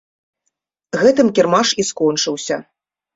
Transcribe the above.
Гэтым кірмаш і скончыўся.